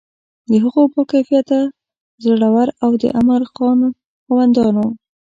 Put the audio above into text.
د هغو با کفایته، زړه ور او د امر خاوندانو.